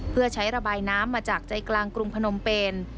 เพื่อใช้ระบายน้ำมาจากใจกลางกรุงพนมเป็น